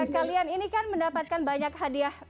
kalian ini kan mendapatkan banyak hadiah